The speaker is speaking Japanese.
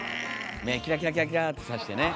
目キラキラキラキラってさしてね。